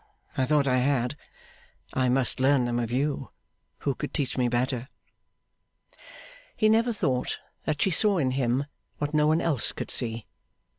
I thought I had. I must learn them of you. Who could teach me better!' He never thought that she saw in him what no one else could see.